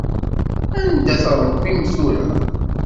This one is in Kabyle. Anda-t Ṛebbi-m tura?